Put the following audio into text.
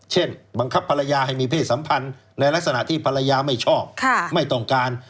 เช่นบังคับภรรยาให้มีเพศสัมพันธ์ในลักษณะที่ภรรยาไม่ชอบไม่ต้องการ